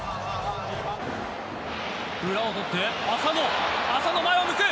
裏を取って、浅野浅野、前を向く。